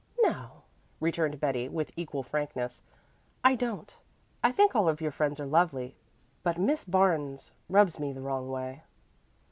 "No," returned Betty with equal frankness, "I don't. I think all your other friends are lovely, but Miss Barnes rubs me the wrong way."